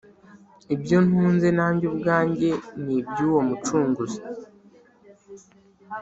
Ibyo ntuze nanjye ubwanjye ni ibyuwo mucunguzi